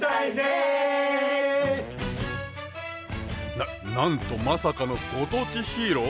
ななんとまさかのご当地ヒーロー？